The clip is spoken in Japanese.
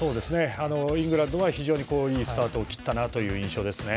イングランドは非常にいいスタートを切った印象です。